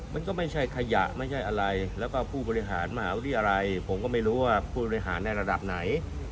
มันก็ไม่ใช่ขยะไม่ใช่อะไรแล้วก็ผู้บริหารมหาวิทยาลัยผมก็ไม่รู้ว่าผู้บริหารในระดับไหน